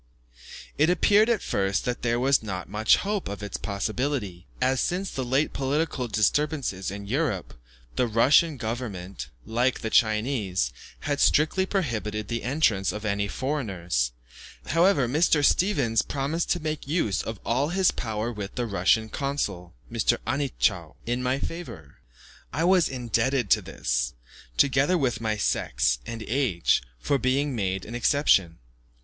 It appeared at first that there was not much hope of its possibility, as, since the late political disturbances in Europe, the Russian government, like the Chinese, had strictly prohibited the entrance of any foreigners; however, Mr. Stevens promised to make use of all his power with the Russian consul, Mr. Anitschow, in my favour. I was indebted to this, together with my sex and age, for being made an exception.